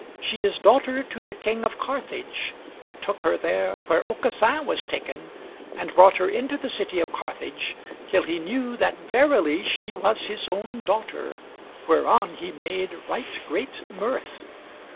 She is daughter to the King of Carthage that took her there where Aucassin was taken, and brought her into the city of Carthage, till he knew that verily she was his own daughter, whereon he made right great mirth.